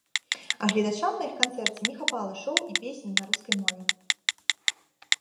А гледачам на іх канцэрце не хапала шоў і песень на рускай мове.